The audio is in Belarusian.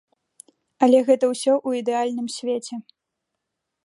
Але гэта ўсё ў ідэальным свеце.